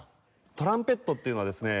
トランペットっていうのはですね